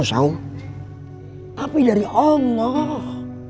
tapi dari allah